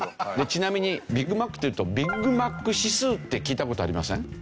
ちなみにビッグマックっていうとビッグマック指数って聞いた事ありません？